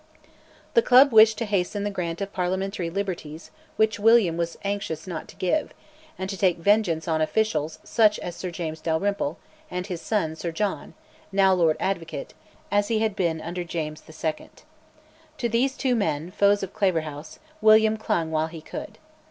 The club wished to hasten the grant of Parliamentary liberties which William was anxious not to give; and to take vengeance on officials such as Sir James Dalrymple, and his son, Sir John, now Lord Advocate, as he had been under James II. To these two men, foes of Claverhouse, William clung while he could.